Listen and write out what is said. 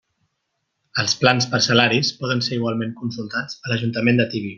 Els plans parcel·laris poden ser igualment consultats a l'Ajuntament de Tibi.